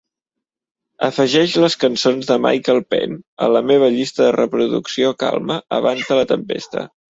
afegeix les cançons de Michael Penn a la meva llista de reproducció Calma abans de la tempesta